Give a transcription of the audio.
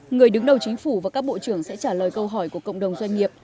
người đứng đầu chính phủ và các bộ trưởng sẽ trả lời câu hỏi của cộng đồng doanh nghiệp